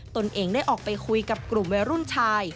ตนเองได้ออกไปคุยกับกลุ่มวัยรุ่นชาย